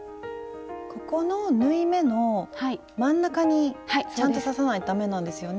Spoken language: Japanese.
ここの縫い目の真ん中にちゃんと刺さないとダメなんですよね？